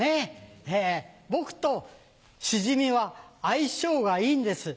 僕とシジミは相性がいいんです。